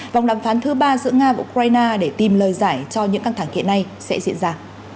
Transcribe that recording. vòng đàm phán thứ ba giữa nga và ukraine để tìm lời giải cho những căng thẳng hiện nay sẽ diễn ra